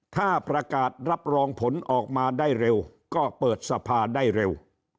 ถ้าประกาศรับรองผลออกมาได้เร็วก็เปิดสภาได้เร็ว